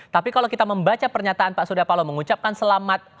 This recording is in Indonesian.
tapi kalau kita membaca pernyataan pak surya paloh mengucapkan selamat